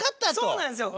そうなんですよ。